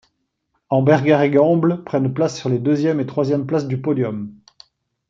Amberger et Gambles prennent place sur les deuxièmes et troisièmes place du podium.